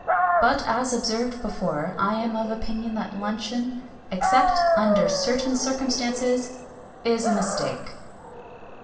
But, as observed before, I am of opinion that luncheon, except under certain circumstances, is a mistake.